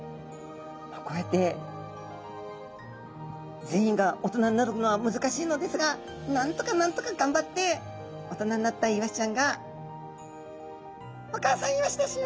こうやって全員が大人になるのは難しいのですがなんとかなんとか頑張って大人になったイワシちゃんがお母さんイワシですよ